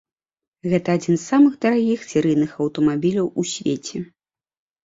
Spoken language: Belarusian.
Гэта адзін з самых дарагіх серыйных аўтамабіляў у свеце.